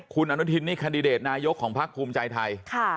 คุณอนุทินนี่แคนดิเดตนายกของพักภูมิใจไทย